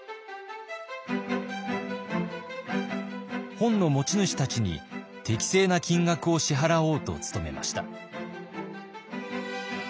本の持ち主たちに適正な金額を支払おうと努めました。